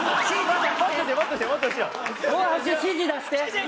指示出して指示！